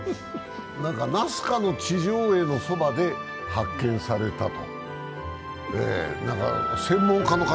ナスカの地上絵のそばで発見されたと。